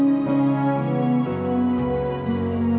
yuk kita ambil hudu dulu